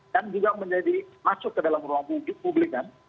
juga menjadi masuk ke dalam ruang publik kan